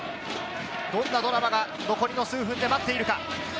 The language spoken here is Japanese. どんなドラマが残りの数分で待っているか。